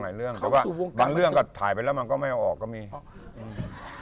แต่ว่าบางเรื่องก็ถ่ายไปแล้วมันก็ไม่เอาออกก็มีเข้าสู่วงการบันเทิง